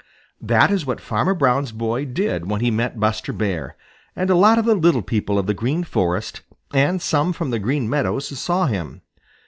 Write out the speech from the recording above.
That is what Farmer Brown's boy did when he met Buster Bear, and a lot of the little people of the Green Forest and some from the Green Meadows saw him.